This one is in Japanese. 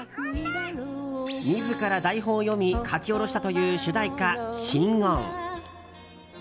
自ら台本を読み書き下ろしたという主題歌「心音」。